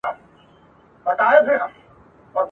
پښتو متلونه !.